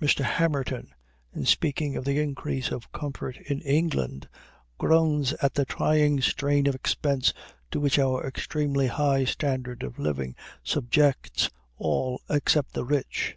Mr. Hamerton, in speaking of the increase of comfort in England, groans at the "trying strain of expense to which our extremely high standard of living subjects all except the rich."